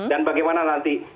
dan bagaimana nanti